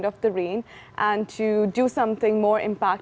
dan untuk melakukan sesuatu yang lebih berimpak